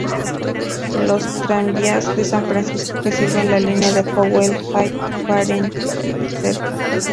Los tranvías de San Francisco que sirven la línea de Powell-Hyde paran cerca.